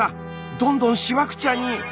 どんどんしわくちゃに。